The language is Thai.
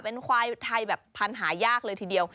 เป็นควายไทยแบบพันธุ์หายากเลยทีเดียว